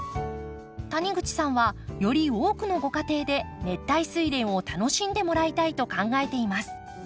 谷口さんはより多くのご家庭で熱帯スイレンを楽しんでもらいたいと考えています。